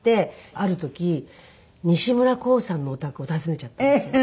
ある時西村晃さんのお宅を訪ねちゃったんですよ。